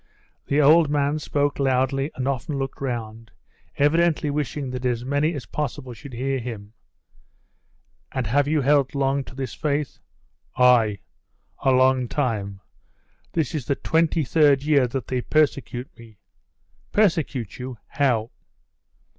The old man spoke loudly and often looked round, evidently wishing that as many as possible should hear him. "And have you long held this faith?" "I? A long time. This is the twenty third year that they persecute me." "Persecute you? How?"